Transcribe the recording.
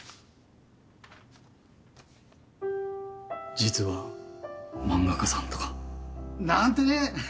実は漫画家さんとか。なんてね！